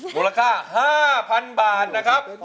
มูลค่า๕๐๐๐บาทนะครับ